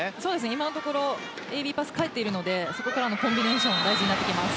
今のところＡ・Ｂパス、返っているのでそこからのコンビネーション大事になってきます。